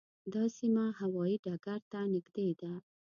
دا سیمه هوايي ډګر ته نږدې ده.